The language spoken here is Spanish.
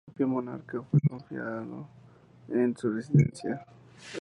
El propio monarca fue confinado en su residencia.